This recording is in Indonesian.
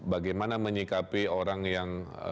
bagaimana menyikapi orang yang